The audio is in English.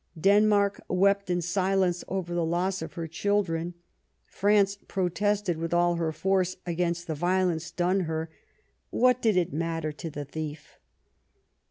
Denmark wept in silence over the loss of her children ; France protested with all her force against the violence done her. What did it matter to the thief